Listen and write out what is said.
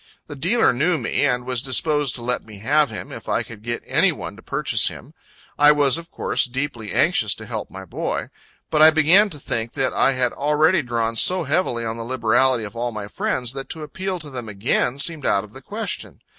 The dealer knew me, and was disposed to let me have him, if I could get any one to purchase him. I was, of course, deeply anxious to help my boy; but I began to think that I had already drawn so heavily on the liberality of all my friends, that to appeal to them again seemed out of the question.